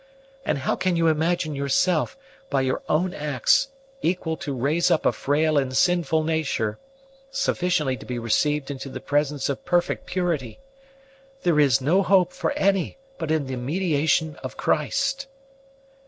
And how can you imagine yourself, by your own acts, equal to raise up a frail and sinful nature sufficiently to be received into the presence of perfect purity? There is no hope for any but in the mediation of Christ!"